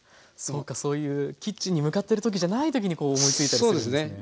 そうかそういうキッチンに向かってる時じゃない時にこう思いついたりするんですね。